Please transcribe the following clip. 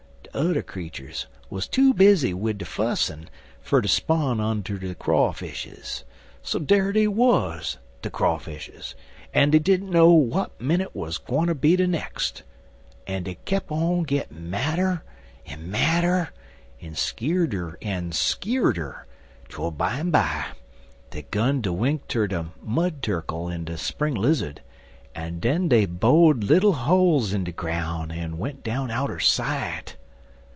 De udder creeturs wuz too busy wid der fussin' fer ter 'spon' unto de Crawfishes. So dar dey wuz, de Crawfishes, en dey didn't know w'at minnit wuz gwineter be de nex'; en dey kep' on gittin madder en madder en skeerder en skeerder, twel bimeby dey gun de wink ter de Mud Turkle en de Spring Lizzud, en den dey bo'd little holes in de groun' en went down outer sight."